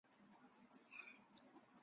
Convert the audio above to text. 治所在梓州。